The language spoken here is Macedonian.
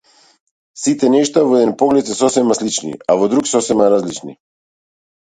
Сите нешта во еден поглед се сосема слични, а во друг сосема различни.